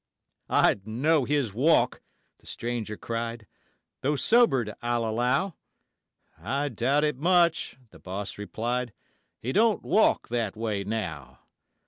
'I'd know his walk,' the stranger cried, 'though sobered, I'll allow.' 'I doubt it much,' the boss replied, 'he don't walk that way now.'